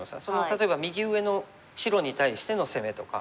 例えば右上の白に対しての攻めとか。